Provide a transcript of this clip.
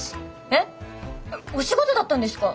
えっお仕事だったんですか？